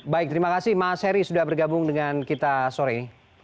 baik terima kasih mas heri sudah bergabung dengan kita sore